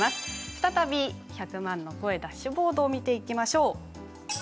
再び１００万の声ダッシュボードを見ていきましょう。